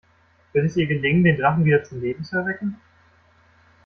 Wird es ihr gelingen, den Drachen wieder zum Leben zu erwecken?